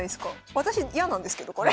私嫌なんですけどこれ。